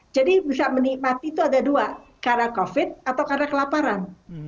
jadi bisa menikmati itu ada dua karena covid atau karena kelaparan